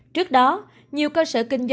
trước đó nhiều cơ sở kinh doanh